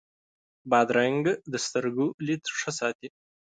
بادرنګ د سترګو لید ښه ساتي.